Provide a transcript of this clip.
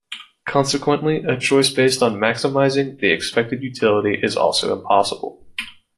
Consequently, a choice based on "maximizing" the expected utility is also impossible.